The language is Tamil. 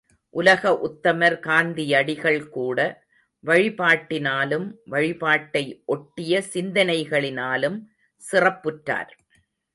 உலக உத்தமர் காந்தியடிகள் கூட வழிபாட்டினாலும் வழிபாட்டை ஒட்டிய சிந்தனைகளினாலும் சிறப்புற்றார்.